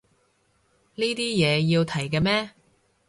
呢啲嘢要提嘅咩